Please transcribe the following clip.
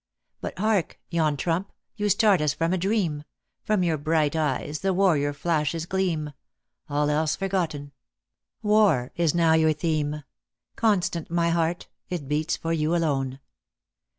But hark ! yon trump ! you start as from a dream ; From your bright eyes the warrior flashes gleam ; All else forgotten. War is now your theme ; Constant my heart ; it beats for you alone.